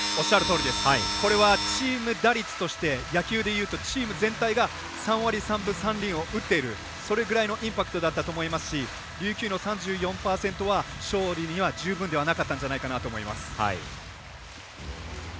これは、チーム打率として野球でいうとチーム全体が３割３分３厘を打っているインパクトだったと思いますし琉球の３４％は勝利には十分ではなかったんじゃないかなと思います。